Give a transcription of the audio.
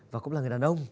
và cũng là người đàn ông